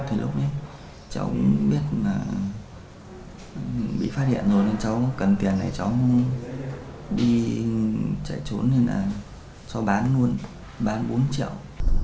thì lúc đấy cháu cũng biết là bị phát hiện rồi nên cháu cần tiền này cháu không đi chạy trốn nên là cháu bán luôn bán bốn triệu